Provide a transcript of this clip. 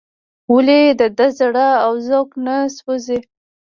ولې د ده زړه او ذوق نه سوزي.